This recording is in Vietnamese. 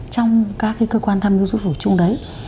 trong các cơ quan tham dự dụng chủ trung đấy